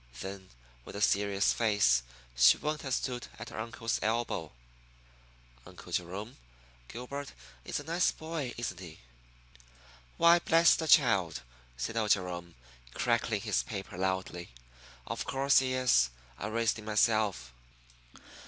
Then, with a serious face, she went and stood at her uncle's elbow. "Uncle Jerome, Gilbert is a nice boy, isn't he?" "Why, bless the child!" said old Jerome, crackling his paper loudly; "of course he is. I raised him myself."